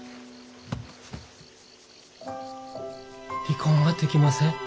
離婚はできません。